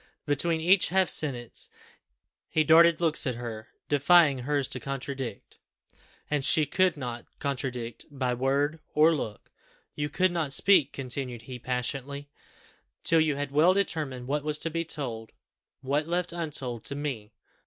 Between each half sentence he darted looks at her, defying hers to contradict and she could not contradict by word or look. "You could not speak," continued he passionately, "till you had well determined what was to be told what left untold to me!